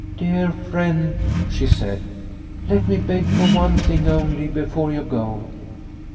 " Dear friend," she said, " let me beg for one thing only before you go.